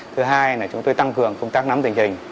thứ hai là chúng tôi tăng cường công tác nắm tình hình